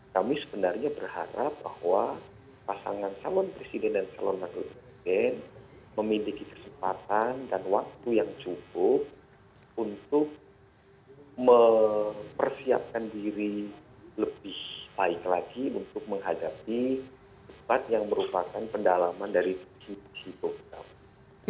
kami sebenarnya berharap bahwa pasangan calon presiden dan calon lagi presiden memiliki kesempatan dan waktu yang cukup untuk mempersiapkan diri lebih baik lagi untuk menghadapi tempat yang merupakan pendalaman dari visi misi program